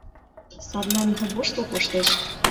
Садлан воштыл коштеш.